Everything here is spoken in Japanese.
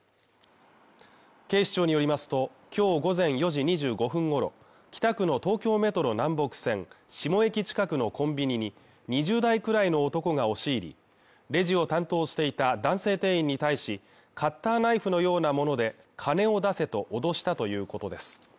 警視庁によりますと、今日午前４時２５分ごろ、北区の東京メトロ南北線志茂駅近くのコンビニに２０代くらいの男が押し入り、レジを担当していた男性店員に対しカッターナイフのようなもので、金を出せと脅したということです。